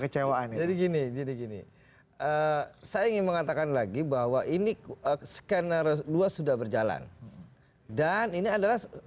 jadi gini gini saya ingin mengatakan lagi bahwa ini skenario luas sudah berjalan dan ini adalah